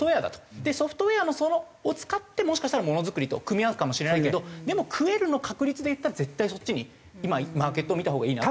でソフトウェアを使ってもしかしたらものづくりと組み合うかもしれないけどでも「食える」の確率で言ったら絶対そっちに今はマーケットを見たほうがいいなと。